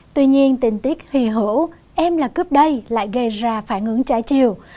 tuy nhiên tình tiết hì hữu em là cướp đây lại gây ra phản ứng trái chiều